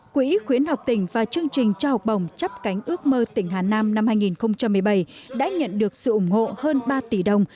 quỹ khuyến học tỉnh và chương trình trao học bổng chấp cánh ước mơ tỉnh hà nam năm hai nghìn một mươi bảy đã nhận được sự ủng hộ hơn ba tỷ đồng